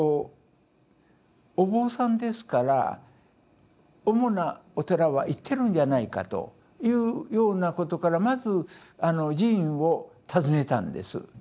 お坊さんですから主なお寺は行ってるんじゃないかというようなことからまず寺院を訪ねたんです。